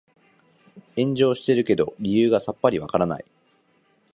炎上してるけど理由がさっぱりわからない